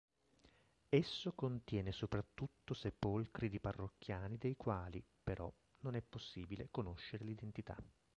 Esso contiene soprattutto sepolcri di parrocchiani dei quali, però, non è possibile conoscere l'identità.